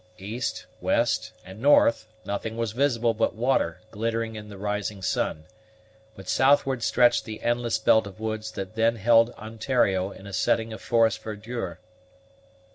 East, west, and north nothing was visible but water glittering in the rising sun; but southward stretched the endless belt of woods that then held Ontario in a setting of forest verdure.